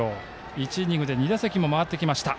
１イニングで２打席回ってきました。